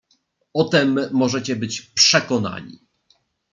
"O tem możecie być przekonani."